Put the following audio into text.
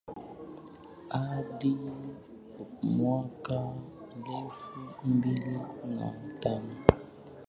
hadi mwaka elfu mbili na tano